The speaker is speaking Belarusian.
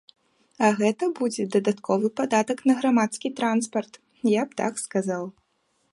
А гэта будзе дадатковы падатак на грамадскі транспарт, я б так сказаў.